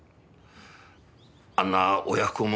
あんな親不孝者